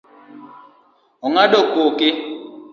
Ong'ado koke